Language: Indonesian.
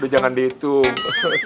udah jangan dihitung